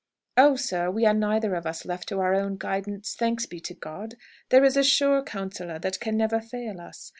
"Oh, sir, we are neither of us left to our own guidance, thanks be to God! There is a sure counsellor that can never fail us.